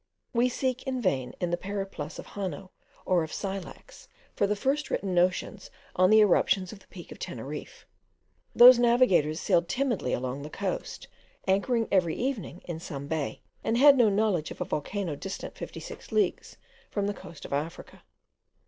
We seek in vain in the Periplus of Hanno or of Scylax for the first written notions on the eruptions of the Peak of Teneriffe. Those navigators sailed timidly along the coast, anchoring every evening in some bay, and had no knowledge of a volcano distant fifty six leagues from the coast of Africa.